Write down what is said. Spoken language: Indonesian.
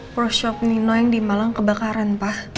pro shop nino yang dimalang kebakaran pa